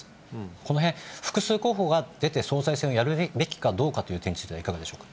このへん、複数候補が出て、総裁選をやるべきかどうかという点についてはいかがでしょうか。